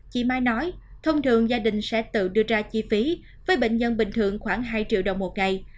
chị mai nói thông thường gia đình sẽ tự đưa ra chi phí với bệnh nhân bình thường khoảng hai triệu đồng một ngày